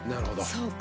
そうか。